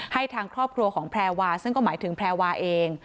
ให้ทางครอบครัวของแพรวาซึ่งก็หมายถึงแพรวาเอง